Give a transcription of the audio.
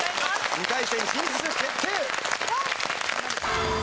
２回戦進出決定！